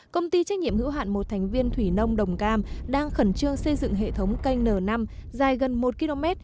công ty trách nhiệm hữu hạn một thành viên thủy nông đồng cam đang khẩn trương xây dựng hệ thống canh n năm dài gần một km